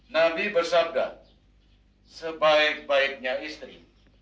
nabi bersabda sebaik baiknya istri